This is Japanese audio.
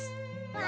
わ